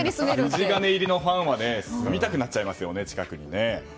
筋金入りのファンは近くに住みたくなっちゃいますよね。